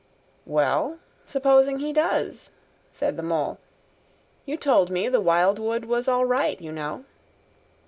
"Well, supposing he does," said the Mole. "You told me the Wild Wood was all right, you know."